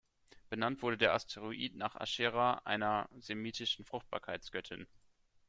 Benannt wurde der Asteroid nach Aschera, einer semitischen Fruchtbarkeitsgöttin.